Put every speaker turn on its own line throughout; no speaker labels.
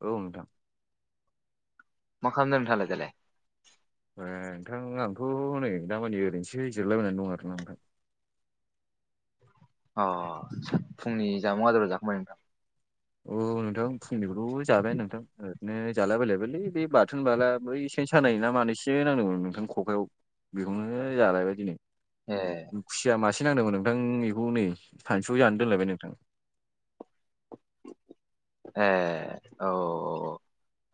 औ नोंथां
मा खालामदों नोंथाङालाय दालाय?
ए नोंथां आंथ' नै दामानि ओरैनोसो जिरलायबायनानै दं आरोना नोंथां
अ सो फुंनि जामुं आदार जाखांबाय नोंथां?
औ नोंथां फुंनिखौल' जाबाय नोंथां ओरैनो जालाबायलायबायलै बे बाथोन बाला बैस सेन सानाय ना मानाइस जे नांदोंमोन नोंथां खखायाव बेखौनो जालायबाय दिनै
ए
खुसिया मास से नांदोंमोन नोंथां बेखौ नै सानसु जानो दोनलायबाय नोंथां
ए औ ओ‌ ओ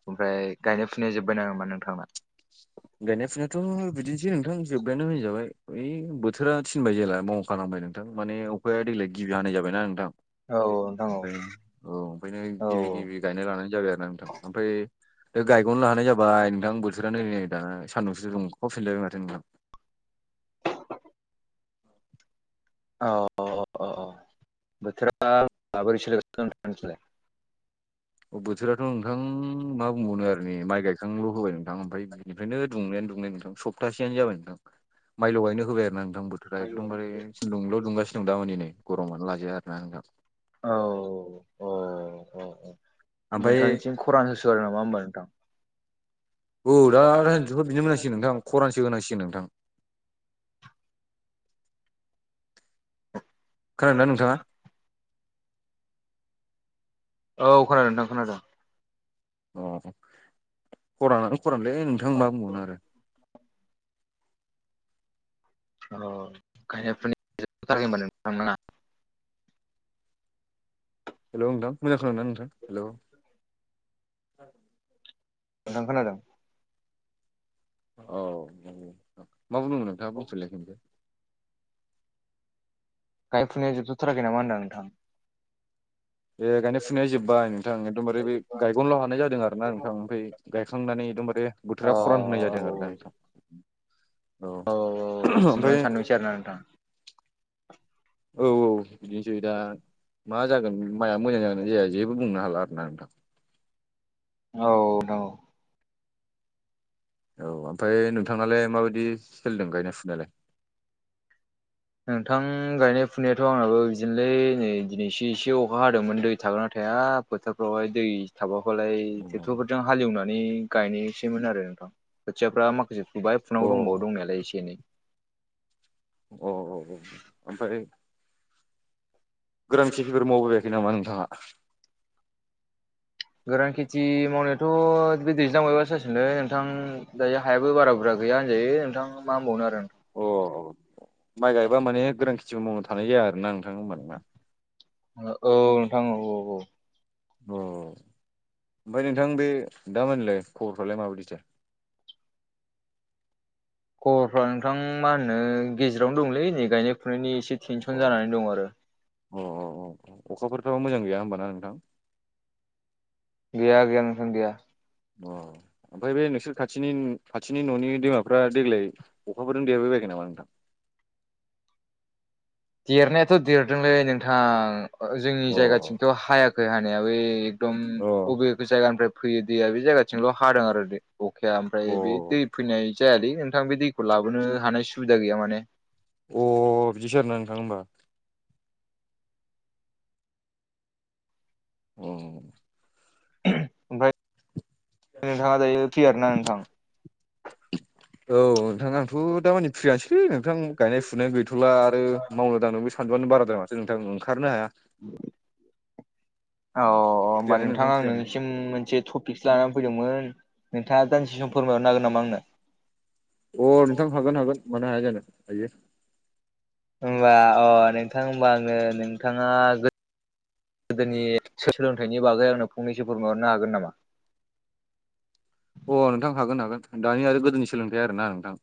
ओमफ्राय गायनाय फुनाया जोब्बाय नामा नोंथांना?
गायनाय फुनायाथ' बिदिनोसै नोंथां जोबबायानो होनजाबाय ओइ बोथोरा थिनबाय जेला म खालामबाय नों थां माने अखाया देग्लाय गिबि हानाय जाबायना नोंथां
औ औ नोंथां औ
ओमफाय औ ओमफायनो
औ
गिबि गिबि गायना लानाय जाबाय आरो ना नोंथां ओमफ्राय दा गायग'नो हानाय जाबाय नोंथां बोथोरानो नै दा सान्दुंसो दंखावफिनलायबाय माथो नोंथां
औ औ अ अ बोथोरा माबोरै सोलिगासिनो नोंसिनथिलाय?
अ बोथोराथ' नोंथां मा बुंबावनो आरो नै माइ गायखांल' होबाय नोंथां ओमफाय दि बेनिफ्रायनो दुंनायानो दुंनाय नोंथां सप्तासेयानो जाबाय नोंथां माइल' गायनो होबाय आरो ना नोंथां बोथ दा एखदम बारे सान्दुंल' दुंगासिनो दं दा माने नै गरमानो लाजाया आरोना नोंथां
औ अ अ अ अ अ
ओमफ्राय
नोंथांनिसिम खरान होसो नामा होमबा नोंथां?
औ दा लाइनसेखौ बिदिनो मोननांसिगोन नोंथां खरानसो होनांसिगोन नोंथां खोनादोंना नोंथाङा?
औ खोनादों नोंथां खोनादों।
अ जे खरानानै खरानलै नोंथां मा बुंबावनो आरो
अ' गायनाय फुनायफोरा जोबथ' थाराखै होनबा नोंथांमोना?
हेल' नोंथां मोजां खोनादोंना नोंथां हेल'।
नोंथां खोनादों।
औ औ मा बुंदोंमोन नोंथाङा बुंफिनलाय खेमसे।
गायनाय फुनायफोरा जोबथ' थाराखै नामा होनदां नोंथां।
ए गायनाय फुनाया जोब्बाय नोंथां एखदमबारे बे गायगल' हानाय जादों आरो ना नोंथां ओमफ्राय गायखांनानै एकदमबारे
अ
बोथोरा खरान होनाय जादों आरो दा
औ
नोंथां।
औ औ
ओमफ्राय
[unintelligible]
औ औ बिदिनोसै दा मा जागोन माइआ मोजां जागोन जाया जेबो बुंनो हाला आरोना नोंथां।
औ न।
औ ओमफ्राय नोंथाङालाय माबायदि सोलिदों गायनाय फुनायालाय?
नोंथां गायनाय फुनायाथ' आंनाबो बिदिनोलै नै दिनैसो एसे अखा हादोंमोन दै थागोनना थाया। बोथोरफ्रावहाय दै थाबाखौलाय
अ
ट्रेक्टरफोरजों हालेवनानै गायनोसैमोन आरो नोंथां खोथियाफ्रा माखासे फुबाय
अ
फुनांगौ दंबावो दंनायालाय एसे एनै।
अ अ अ ओमफ्राय गोरान खेथिफोर मावबायबायाखै नामा नोंथाङा?
गोरान खेथि मावनायाथ' बे दैज्लां बायबासो जासिगनोलै नोंथां। दायो हायो बारा बुरजा गैया होनजायो नोंथां, मा होनबावनो आरो।
अ माइ गायबा माने गोरान खेथिबो मावनो थानाय जाया आरोना नोंथां होनबा नोंना?
औ नोंथां औ औ औ।
अ ओमफ्राय नोंथां बे दामानिलाय खबरफ्रालाय माबायदिथो?
खबरफ्रा नोंथां मा होनो गेजेरावनो दंलै नै गायनाय फुनायनि एसे टेनसन जानानै दं आरो।
अ अ अ अखाफोरथ' मोजां गैया होमबाना नोंथां?
गैया गैया नोंथ गैया।
अह। ओमफ्राय बे नोंसोर खाथिनि खाथिनि न'नि दैमाफ्रा देग्लाय अखाफोरजों देरहबाय बायखायो नामा नोंथां?
देरनायाथ' देरदोंलै नोंथां जोंनि
अ
जायगाथिंथ' हायाखै हानाय बै एकदम
अ
बबेे जायगानिफ्राय फैयो दैया बे जायगाथिंल' हादों आरो बे। अखाया ओमफ्राय बे
अ
दै फैनाय जायालै नोंथां बे दैखौ लाबोनो हानाय सुबिदा गैया माने।
अ बिदिसो आरोना नोंथां होमबा? उम।
ओमफाय नोंथाङा दायो फ्रि आरोना नोंथां?
औ नोंथां आंथ' दामानि फ्रियानोसै। है नोंथां गायनाय फुनाय गैथ'ला आरो मावनो दांनोबो सानदुंआनो बाराद्राय माथो नोंथां ओंखारनो हाया।
औ होमबा
फ्रियानो
नोंथां आं
फ्रियानो
नोंनिसिम मोनसे थ फिकसो लानानै फैदोंमोन नोंथाङा दानसे सम फोरमायहरनो हागोन नामा आंनो?
अ नोंथां हागोन हागोन मानो हाया जानो हायो।
होमबा अ नोंथां होमबा आङो नोंथाङा गोदोनि सोलोंथाइनि बागै आंनो फंनैसो फोरमायहरनो हागोन नामा?
अ नोंथां हागोन हागोन। दानि आरो गोदोनि सोलोंथाइ आरोना नोंथां?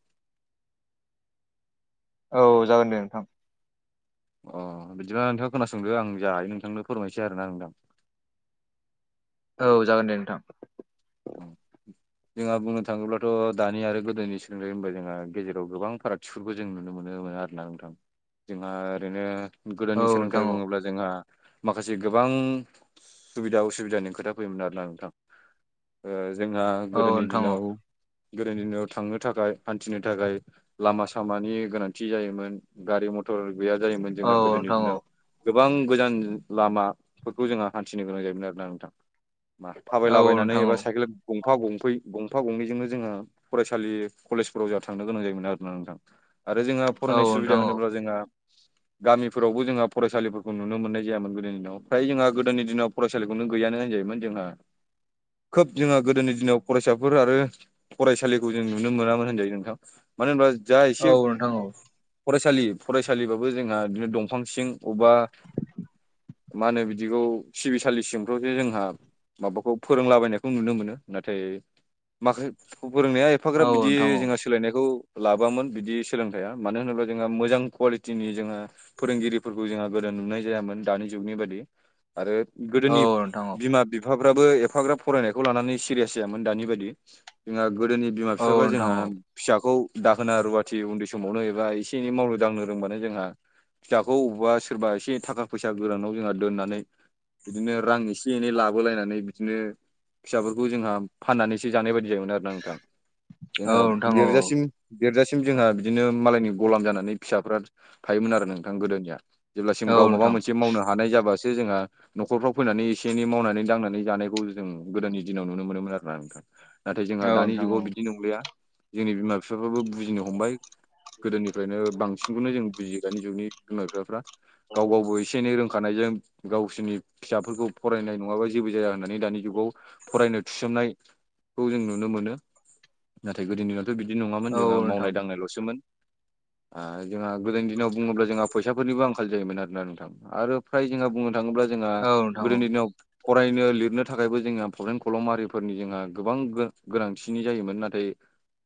औ जागोन दे नोंथां।
अ बिदिबा नोंथाङा खोनासंदो आं जायायो नोंथांनो फोरमायसै आरोना नोंथां।
औ जागोन दे नोंथां।
जोंहा बुंनो थाङोब्लाथ' दानि आरो गोदोनि सोलोंथाइ होनब जोंहा गेजेराव गोबां फाराग सकुखौ जों नुनो मोन मोनो आरोना नोंथां। जोंहा ओरैनो
औ
गोदोनि
नोंथां
सोलोंथाइ
औ
बुङोब्ला जोंहा माखासे गोबां सुबिदा उसुबिदानि खोथा फैयोमोन आरोना नोंथां। ओ जोंहा
औ
गोदोनि
नोंथां औ
दिनाव गोदोनि दिनाव थांनो थाखाय हान्थिनो थाखाय लामा सामानि गोनांथि जायोमोन, गारि मथर गैया जायोमोन
औ
जोंहा गोदोनि
नोंथां औ
दिनाव। गोबां गोजान लामाफोरखौ जोंहा हान्थिनो गोनां जायोमोन आरोना नोंथां।
औ
थाबायलाबायनानै
नोंथां औ
एबा साइकेल गंफा गंफै गंफा गंनैजोंनो जोङो फरायसालि कलेजफोराव जोंहा थांनो गोनां जायोमोन आरोना नोंथां आरो जोंहा
औ
फरायनाय सुबिदा
नोंथां औ
होनोब्ला जोंहा
[inaudible]
गामिफोरावबो जोंहा फरायसालिफोरखौ नुनो मोननाय जायामोन गोदोनि दिनाव फ्राय जोंहा गोदोनि दिनाव फरायसालिखौनो गैयानो होनजायोमोन जोंहा खोब जोंहा गोदोनि दिनाव फरायसाफोर आरो फरायसालिखौ जों नुनो मोनामोन होनजायो नोंथां मानो होनबा जा एसे फरायसालि फरायसालिबाबो जोंहा बिदिनो दं फांसिं उबा मा होनो बिदिखौ सिबिसालिसिंफ्रावसो जोंहा माबाखौ फोरोंलाबायनाय खौ नुनो मोनो नाथाय माखासे फोरोंनाया
औ
एफाग्राब बिदि
नोंथां औ
जों सोलायनायखौ लाबोामोन बिदि सोलोंथाइया मानो होनोब्ला जोंहा मोजां कुवालिटिनि जोंहा फोरोंगिरिफोरखौ जोंहा गोदो नुनाय जायामोन दानि जुगनि बादि आरो
औ
गोदोनि बिमा बिफाफ्राबो एफाग्राब फरायनायखौ लानानै सिरियास जायामोन दानि बायदि जोंहा गोदोनि बिमा बिफाफा
नोंथां
जोंहा
औ
फिसाखौ दाहोना रुवाथि उन्दै समावनो एबा एसे एनै मावनो दांनो रोंबानो जोंहा फिसाखौ अबावबा सोरबा एसे थाखा फैसा गोरानाव जोंहा दोननानै बिदिनो रां एसे एनै लाबोलायनानै बिदिनो फिसाफोरखौ जोंहा फाननानैसो जानाय बायदि जायोमोन आरोना नोंथां जोंहा
औ नोंथां औ नोंथां औ
देरोजासिम देरजासिम जोंहा बिदिनो मालायनि गलाम जानानै फिसाफ्रा थायोमोन आरो नोंथां गोदोनिया जेब्लासिम
औ
गाव माबा
नोंथां
मोनसे मावनो हानाय जाबासो जोंहा न'खरफ्राव फैनानै एसे एनै मावनानै दांनानै जानायखौ जों गोदोनि दिनाव नुनो मोनोमोन आरोना नोंथां नाथाय जोंहा
औ
दानि
नोंथां
जुगाव बिदि नंलिया जोंनि बिमा बिफाफ्राबो बुजिनो हमबाय गोदोनिफ्रायनो बांसिनखौनो जों बुजियो दानि जुगनि बिमा बिफाफ्रा गाव गावबो एसे एनै रोंखानायजों गावसिोरनि फिसाफोरखौ फरायनाय नङाबा जों जिबो जाया होननानै दानि जुगाव फरायनो थिसोमनायखौ जों नुनो मोनो नाथाय गोदोनि बिदि नङामोन
औ
जोंहा
नोंथां
मावनाय दांनायल'सोमोन जोंहा गोदोनि दिनाव बुङोब्ला जोंहा फैसाफोरनिबो आंखाल जायोमोन आरोना नोंथां आरो फाय जोंहा बुङोब्ला थाङोब्ला जोंहा
औ औ नोंथां औ
गोदोनि दिनाव फरायनो लिरनो थाखायबो जोंङो [unintelligible] खलमारिफोरनि जोंहा गोबां गोनांथिनि जायोमोन नाथाय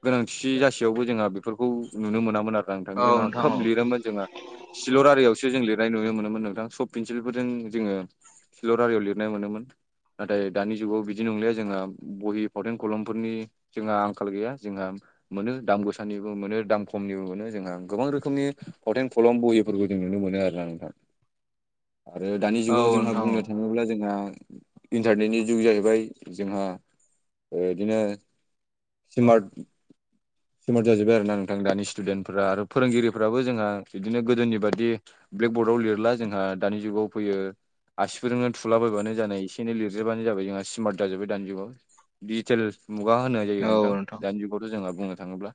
गोनांथि जासेयावबो जोंहा बेफोरखौ नुनो मोनामोन आरो नांथां जोंहा खोब
नोंथां
लिरोमोन जोङो सिलर आरियावसो जों लिरनाय नुनो मोनोमोन नोंथां सफ पेन्सिलफोरजों जोङो सिल' रारियाव लिरनाय मोनोमोन नाथाय दानि जुगाव बिदि नंलिया जोंहा बहि फावथेन खलमफोरनि जोंहा आंखाल गैया जोंहा मोनो दाम गोसानिबो मोनो दाम खमनिबो मोनो जोंहा गोबां रोखोमनि फावथेन खलम बहिफोरखौ जों नुनो मोनो आर ना नोंथां आरो दानि
औ नोंथां औ
जुगाव जोंहा
नोंथां औ नोंथां औ
बुंनो थाङोब्ला जोंहा इन्टारनेटनि जिउ जाहैबाय जोंहा बिदिनो सि्मार्ट समारट जाजोबबाय आरो ना नोंथां दानि स्टुडेन्टफोरा आरो फोरोंगिरिफ्राबो जोंहा बिदिनो गोदोनि बादि ब्लेकबर्डआव लिरला जोंहा दानि जुगाव फैयो आसिफोरजोंनो थुलाबायबानो जानाय एसे एनै लिरजोबानो जाबाय जोंहा सिम जाजोबबाय दानि जुगाव डिजिटेल मुगा होननाय जायो नोंथां दानि जुगावथ' जोंहा बुंनो थाङोब्ला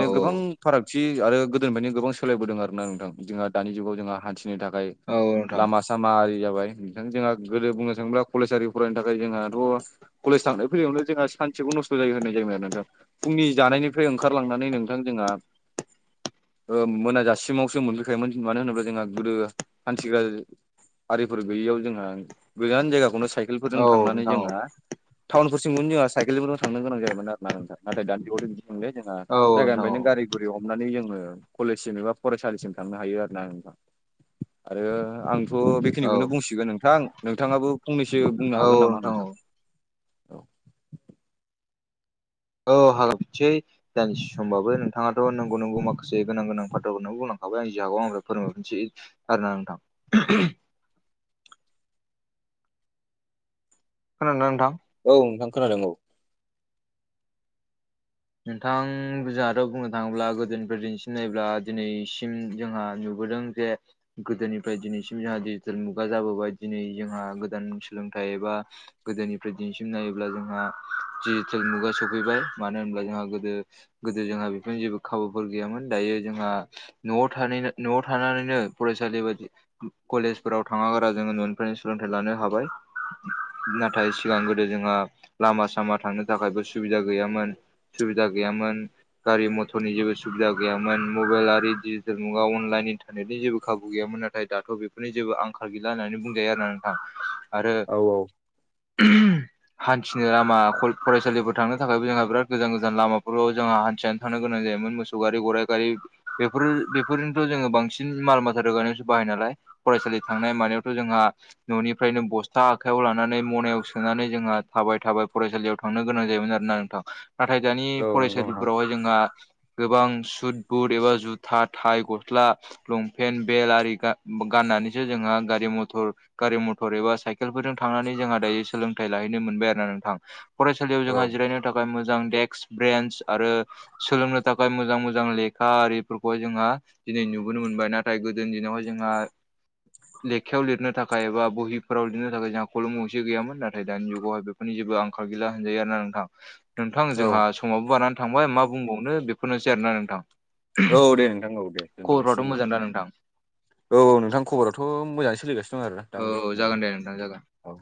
औ
गोबां
औ नोंथां औ नोंथां औ
फारागथि आरो गोदोनिफ्रायनो गोबां सोलायबोदों आरोन ना नोंथां जोंहा दानि जुगाव जोंहा हान्थिनो थाखाय लामा सामा आरि जाबाय नोंथां जोंहा गोदो बुंनो थाङोब्ला कलेजारि फरायनो थाखाय ओमफ्राय जोंहाथ' कलेज थांनाय फैनायावनो जोंहा सानसेखौ नस्थ' जायो होननाय जायोमोन‌ आरो नोंथां फुंनि जानायनिफ्राय ओंखारलांनानै नोंथां जोंहा
[inaudible]
मोनाजासिमावसो मोनफैखायोमोन मानो होनोब्ला जोंहा गोदो हान्थिग्रा आरिफोर गैयैयाव जोंहा गोजान जान जायगाखौनो साय केलफोरजों थांनानै जोंहा टाउनफोर सिमखौनो जोंहा साइकेलफोरजों थांनो गोनां जायोमोन आरो ना नोंथां। नाथाय दानि जुगाव थ' बिदि थांले जोंहा
औ नोंथां
जायगानिफायनो गारि ओरै हमनानै जोङो कलेजसिम एबा फरायसालिसिम थांनो हायो आरो ना नोंथां। आरो आंथ'
औ
बेखिनिखौनो बुंसिगोन नोंथां नोंथाङाबो फंनैसो ब्ला
औ
हागोन नामा
औ
नोंथां। औ
औ हागोन [unintelligible] सै दानदिसे समबाबो नोंथाङाथ' नंगौ नंगौ माखासे गोनां गोनां फाथ्राखौनो बुंलांखाबाय आं जिहागौ आंनिफाय फोरमाय हरनोसै। आरो ना नोंथां। खोनादों नोंथां?
औ नोंथां खोनादों औ।
नोंथां जाहाथ' बुंनो थाङोब्ला गोदोनिफ्राय दिनैसिम नायोब्ला दिनैसिम जोंहा नु बोदों जे गोदोनिफ्राय दिनैसिम जाहा दिडिजिटेल मुगा जाबोबाय दिनै जोंहा गोदान सोलोंथाइ एबा गोदोनिफ्राय दिनैसिम नायोब्ला जोंहा दिडिजिटेल मुगा सफैबाय। मानो होनोब्ला जोंहा गोदो गोदो जोंहा बेफोरनि जेबो खाबुफोर गैयामोन। दायो जोंहा न'आव थानाय न'आव थानानैनो फरायसालि बायदि उम कलेजफोराव थाङा गारा जोङो न'निफ्रायनो सोलोंथाइ लानो हाबाय। ना थाय सिगां गोदो जोंहा लामा सामा थांनो थाखायबो सुबिदा गैयामोन। सुबिदा गैयामोन। गारि मथरनि जेबो सुबिदा गैयामोन मबेल आरि डिजिटेल मुगाव अनलाइन इन्टारनेटनि जेबो खाबु गैयामोन आर नाय दाथ' बेफोरनि जेबो आंखाल गैला होननानै बुंजायो आरो ना नोंथां‌। आरो
औ औ
हान्थिनो लामा कल फरायसालिफोर थांनो थाखायबो जोंहा बिराद गोजान गोजान लामाफोराव जोंहा हान्थिना थांनो गोनां जायोमोन मोसौ गारि गराइ गारि बेफोरो बेफोरनोथ' जोङो बांसिन माल माथा रोगानायावसो बाहायो नालाय। फरायसालि थांनाय मानायावथ' जोंहा न'निफ्रायनो बस्था आखायाव लानानै मनायाव सोनानै जोंहा थाबाय थाबाय फरायसालियाव थांनो गोनां जायोमोन आरो ना नोंथां। नाथाय दानि
औ नंगौ नोंथां
फरायसालिफोरावहाय जोंहा गोबां सुद बुद एबा जुथा, थाय, गस्ला लंपेन्ट बेल आरि गा-गाननानैसो जोंहा गारि मथर गारि मथर एबा साइकेलफोरजों थांनानै जोंहा दायो सोलोंथाइ लाहैनो मोनबाय आरो ना नोंथां। फरायसालियाव
औ
जोंहा जिरायनो थाखाय मोजां देक्स ब्रेन्स आरो सोलोंनो थाखाय मोजां मोजां लेखा आरिफोरखौहाय जोंहा दिनै नुबोनो मोनबाय नाथाय गोदोनि दिनावहाय जोंहा लेखायाव लिरनो थाखाय एबा बहिफ्राव लिरनो थाखाय जोंहा खलम गंसे गैयामोन। नाथाय दानि जुगावहाय बेफ फोरनि जेबो आंखार गैला होनजायो आरो ना नोंथां। थां
औ
जोंहा समाबो बारनानै थांबाय मा बुंबावनो बेफोरनोसै आरोना नोंथां।
औ दे नोंथां औ दे दोन्थ'लायसै
खबरफ्राथ'
होमबा।
मोजां दा नोंथां?
औ नोंथां खबरावथ' मोजाङै सोलिगासिनो दं आरोना
औ
दामानि
जागोन दे नोंथां जागोन।
औ